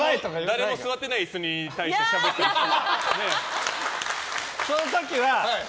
誰も座ってない椅子に対してしゃべってたりとか。